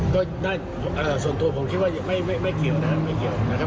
ก็ได้ส่วนตัวผมคิดว่าไม่เกี่ยวนะครับไม่เกี่ยวนะครับ